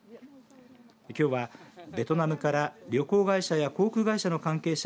きょうは、ベトナムから旅行会社や航空会社の関係者